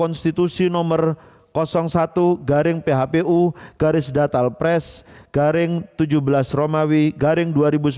konstitusi nomor satu garing phpu garis datal pres garing tujuh belas romawi garing dua ribu sembilan belas